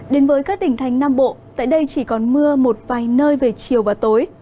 đến với các tỉnh thành nam bộ tại đây chỉ còn mưa một vài nơi về chiều và tối